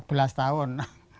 sudah empat belas tahun